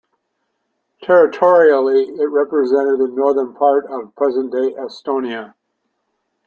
Territorially it represented the northern part of present-day Estonia.